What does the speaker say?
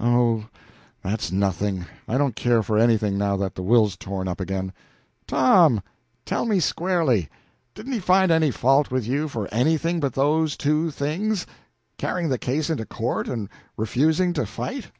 "Oh, that's nothing! I don't care for anything, now that the will's torn up again." "Tom, tell me squarely didn't he find any fault with you for anything but those two things carrying the case into court and refusing to fight?"